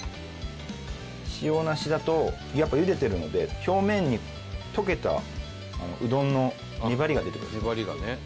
塩なしだとやっぱ茹でてるので表面に溶けたうどんの粘りが出てくるんです。